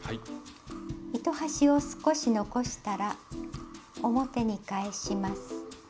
糸端を少し残したら表に返します。